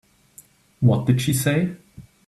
What did she say?